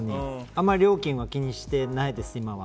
あまり料金は気にしてないです、今は。